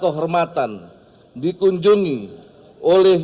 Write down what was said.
kehormatan dikunjungi oleh